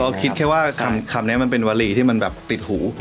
คิดแค่ว่าคำนี้มันเป็นวารีที่มันแบบติดหู